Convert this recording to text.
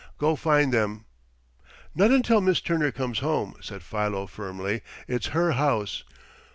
Go find them." "Not until Miss Turner comes home," said Philo firmly. "It's her house."